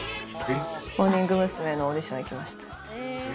モーニング娘。のオーディション、行きました。